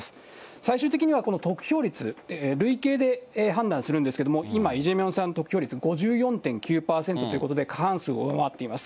最終的には得票率、累計で判断するんですけれども、今、イ・ジェミョンさん、得票率５４．９％ということで、過半数を上回っています。